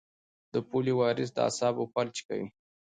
د پولیو وایرس د اعصابو فلج کوي.